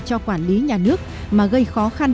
cho quản lý nhà nước mà gây khó khăn